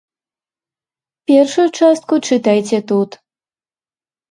Першую частку чытайце тут.